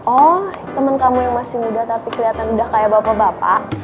oh temen kamu yang masih muda tapi kelihatan udah kayak bapak bapak